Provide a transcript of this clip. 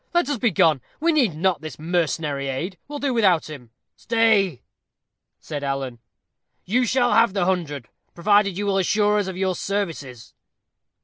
"Let us be gone. We need not his mercenary aid. We will do without him." "Stay," said Alan, "you shall have the hundred, provided you will assure us of your services."